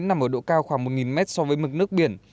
nằm ở độ cao khoảng một mét so với mực nước biển